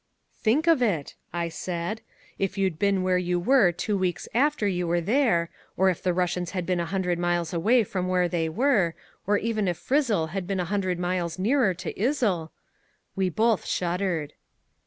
"Think of it!" I said. "If you'd been where you were two weeks after you were there, or if the Russians had been a hundred miles away from where they were, or even if Fryzzl had been a hundred miles nearer to Izzl " We both shuddered.